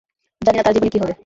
জানি না তার জীবনে কি হবে।